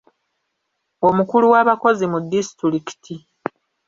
Omukulu w'abakozi mu distulikiti.